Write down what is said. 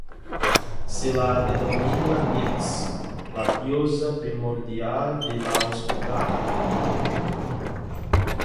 Se la denomina Nix, la diosa primordial de la oscuridad.